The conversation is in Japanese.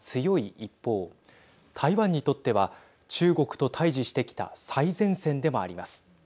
一方台湾にとっては中国と対じしてきた最前線でもあります。